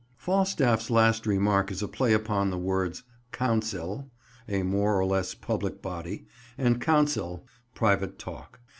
Falstaff's last remark is a play upon the words "Council," a more or less public body, and "counsel," private talk.